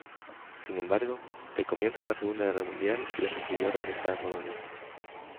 Sin embargo, el comienzo de la Segunda Guerra Mundial les impidió regresar a Polonia.